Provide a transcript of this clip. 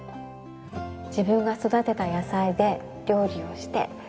自分が育てた野菜で料理をして